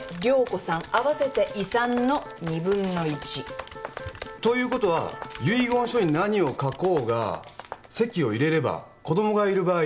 合わせて遺産の２分の１。ということは遺言書に何を書こうが籍を入れれば子供がいる場合